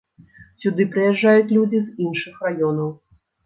Сюды прыязджаюць людзі з іншых раёнаў.